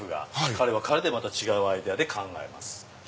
彼は彼でまた違うアイデアで考えます。